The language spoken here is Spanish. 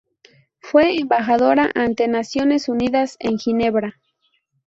Fue embajadora ante Naciones Unidas en Ginebra.